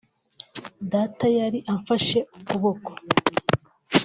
data yari amfashe ukuboko